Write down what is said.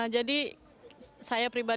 jadi saya pribadi